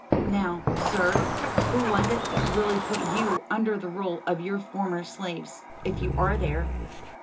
[A] Now, sir, who was it that really put you under the rule of your former slaves, if you are there?"